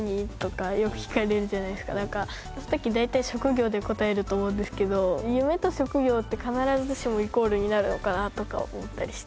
その時大体職業で答えると思うんですけど夢と職業って必ずしもイコールになるのかなとか思ったりして。